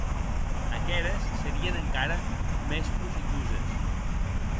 Aqueres serien encara mès profitoses.